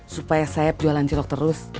supaya saya jualan jeruk terus